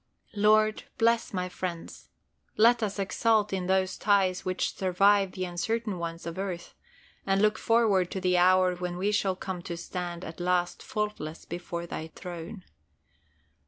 Lord, bless my friends. Let us exult in those ties which survive the uncertain ones of earth, and look forward to the hour when we shall come to stand at last faultless before Thy Throne.